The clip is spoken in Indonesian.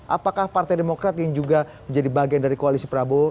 apakah partai demokrat yang juga menjadi bagian dari koalisi prabowo